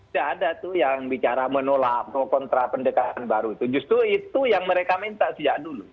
tidak ada tuh yang bicara menolak pro kontra pendekatan baru itu justru itu yang mereka minta sejak dulu